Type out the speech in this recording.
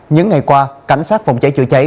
những ngày qua cảnh sát phòng cháy chữa cháy